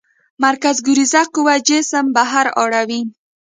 مرکزګریز قوه جسم بهر اړوي.